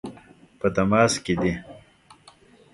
په تماس کې دي.